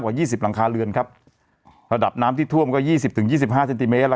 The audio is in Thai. กว่า๒๐หลังคาเรือนระดับน้ำที่ท่วมก็๒๐๒๕เซนติเมตร